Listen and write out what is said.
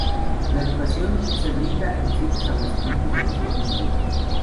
La educación se brinda en siete establecimientos de distintos niveles.